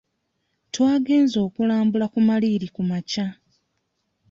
Twagenze okulambula ku maliiri ku makya..